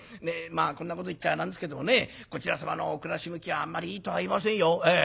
こんなこと言っちゃなんですけどもねこちら様のお暮らし向きはあんまりいいとは言えませんよ。